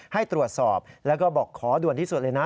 ให้ตรวจสอบแล้วก็บอกขอด่วนที่สุดเลยนะ